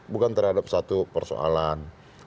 bukan terhadap satu persoalan